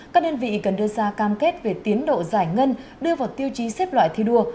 các đơn vị cần đưa ra cam kết về tiến độ giải ngân đưa vào tiêu chí xếp loại thi đua